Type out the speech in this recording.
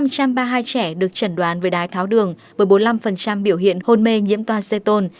năm trăm ba mươi hai trẻ được chẩn đoán về đái tháo đường với bốn mươi năm biểu hiện hôn mê nhiễm toan xê tôn